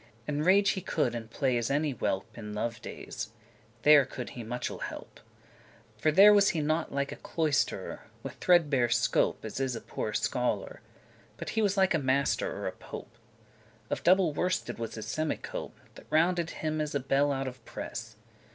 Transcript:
And rage he could and play as any whelp, In lovedays <21>; there could he muchel* help. *greatly For there was he not like a cloisterer, With threadbare cope as is a poor scholer; But he was like a master or a pope. Of double worsted was his semicope*, *short cloak That rounded was as a bell out of press.